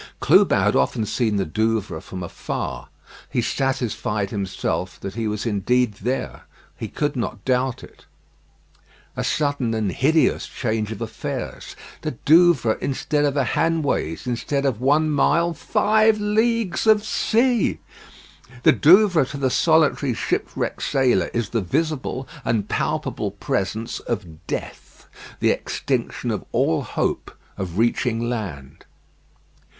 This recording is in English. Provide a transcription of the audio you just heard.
Clubin had often seen the Douvres from afar. He satisfied himself that he was indeed there. He could not doubt it. A sudden and hideous change of affairs. The Douvres instead of the Hanways. Instead of one mile, five leagues of sea! The Douvres to the solitary shipwrecked sailor is the visible and palpable presence of death, the extinction of all hope of reaching land.